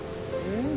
うん？